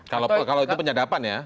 kalau itu penyadapan ya